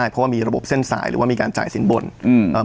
เพราะว่ามีระบบเส้นสายหรือว่ามีการจ่ายสินบนอืม